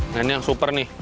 nah ini yang super nih